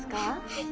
はい。